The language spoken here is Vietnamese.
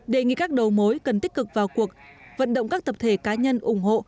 đề nghị các đầu mối cần tích cực vào cuộc vận động các tập thể cá nhân ủng hộ